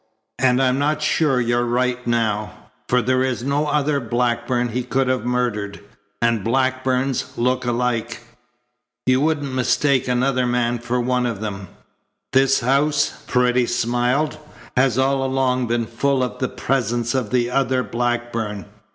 And I'm not sure you're right now, for there is no other Blackburn he could have murdered, and Blackburns look alike. You wouldn't mistake another man for one of them." "This house," Paredes smiled, "has all along been full of the presence of the other Blackburn.